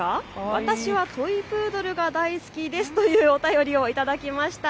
私はトイプードルが大好きですというお便りをいただきました。